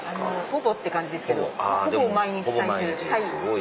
ほぼって感じですけどほぼ毎日採集。